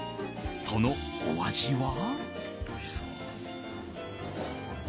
そのお味は。